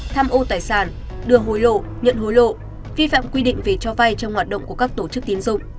tham ô tài sản đưa hối lộ nhận hối lộ vi phạm quy định về cho vay trong hoạt động của các tổ chức tiến dụng